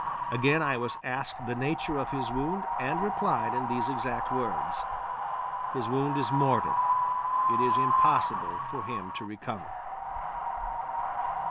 Again I was asked the nature of his wound and replied in these exact words: "His wound is mortal; it is impossible for him to recover."